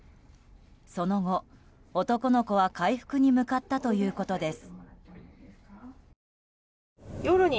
その後、男の子は回復に向かったということです。